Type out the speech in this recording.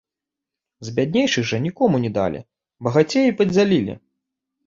З бяднейшых жа нікому не далі, багацеі падзялілі.